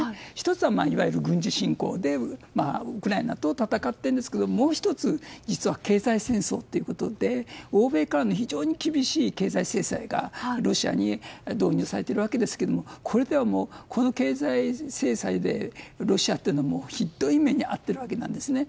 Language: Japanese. １つは、いわゆる軍事侵攻でウクライナと戦っているんですがもう１つ実は経済戦争ということで欧米からの非常に厳しい経済制裁がロシアに導入されているわけですけれどもこの経済制裁でロシアというのはひどい目に遭ってるわけなんですね。